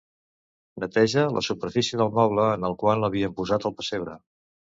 Neteja la superfície del moble en el qual havíem posat el pessebre.